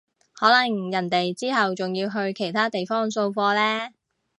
可能人哋之後仲要去其他地方掃貨呢